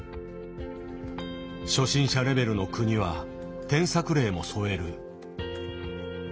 初心者レベルの句には添削例も添える。